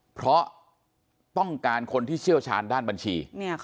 เพราะต้องการคนที่เชี่ยวชาญด้านบัญชี